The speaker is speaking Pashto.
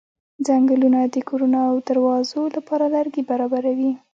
څنګلونه د کورونو او دروازو لپاره لرګي برابروي.